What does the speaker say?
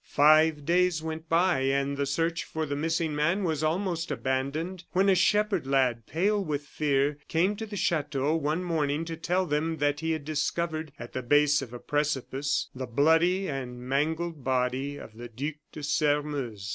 Five days went by, and the search for the missing man was almost abandoned, when a shepherd lad, pale with fear, came to the chateau one morning to tell them that he had discovered, at the base of a precipice, the bloody and mangled body of the Duc de Sairmeuse.